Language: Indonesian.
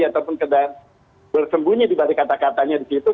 ataupun bersembunyi dibalik kata katanya di situ